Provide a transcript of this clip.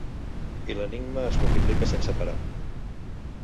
I l'enigma es multiplica sense parar.